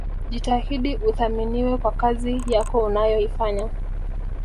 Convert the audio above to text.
Jitahidi uthaminiwe kwa kazi yako unayoifanya